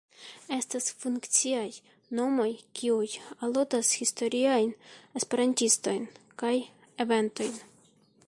Estas fikciaj nomoj kiuj aludas historiajn Esperantistojn kaj eventojn.